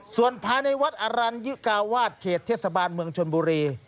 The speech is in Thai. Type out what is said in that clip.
ส่วนภายในวัดอรัญญิกาวาสเขตเทศบาลเมืองชนบุรี